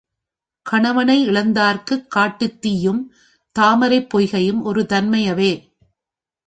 கணவனை இழந்தார்க்குக் காட்டுத் தீயும், தாமரைப் பொய்கையும் ஒரு தன்மையவே.